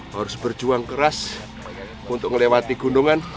harus berjuang keras untuk melewati gunungan